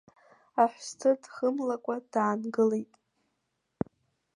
Аҳәсҭы дхымлакәа, даангылеит.